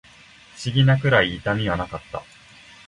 不思議なくらい痛みはなかった